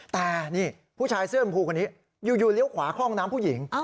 แต่นี่ผู้ชายเสื้อชมพูคนนี้อยู่เลี้ยวขวาเข้าห้องน้ำผู้หญิง